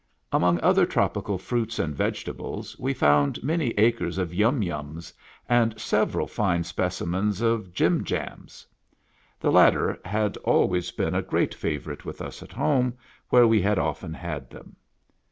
Among other tropical fruits and vegetables, we found many acres of Yum yums, and several fine specimens of Jym Jams. The latter had always been OUR FUTURE HOME. a great favorite with us at home, where we had often had them.